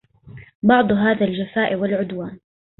بعض هذا الجفاء والعدوان